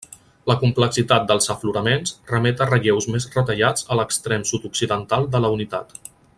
La complexitat dels afloraments remet a relleus més retallats a l'extrem sud-occidental de la unitat.